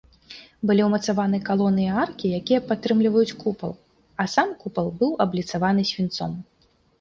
Былі ўмацаваны калоны і аркі, якія падтрымліваюць купал, а сам купал быў абліцаваны свінцом.